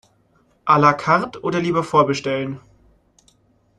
A la carte oder lieber vorbestellen?